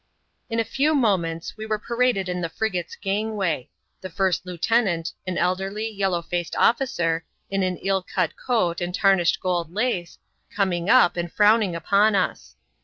In a few moments, we were paraded in the frigate's gangway; the first lieutenant — an elderly, yellow faced officer, in an ill cat coat and tarnished gold lace — coming up, and frowning upon us.